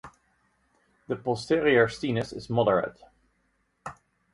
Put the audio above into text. The posterior sinus is moderate.